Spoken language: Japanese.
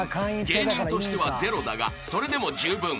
［芸人としては０だがそれでも十分］